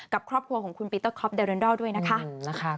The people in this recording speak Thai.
กับครอบครัวของคุณปีเตอร์คอปเดรินดอลด้วยนะคะ